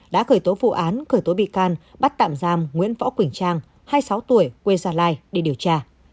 đã khởi tố vụ án khởi tố bị can bắt tạm giam nguyễn võ quỳnh trang hai mươi sáu tuổi quê gia lai để điều tra